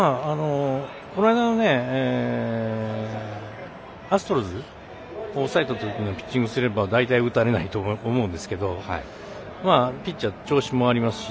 この間のアストロズを抑えたときのピッチングをすれば大体、打たれないと思うんですけどピッチャー、調子もありますし。